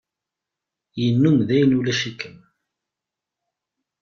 Yennum dayen ulac-ikem.